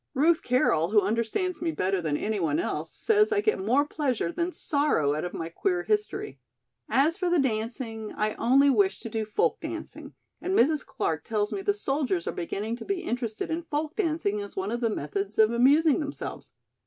Ruth Carroll, who understands me better than any one else, says I get more pleasure than sorrow out of my queer history. As for the dancing I only wish to do folk dancing and Mrs. Clark tells me the soldiers are beginning to be interested in folk dancing as one of the methods of amusing themselves.